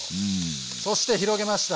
そして広げました。